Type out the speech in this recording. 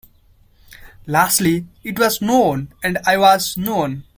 Lastly, it was no one, and I was no one.